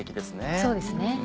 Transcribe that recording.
そうですね。